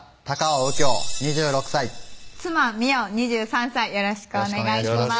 尾有恭２６歳妻・実生２３歳よろしくお願いします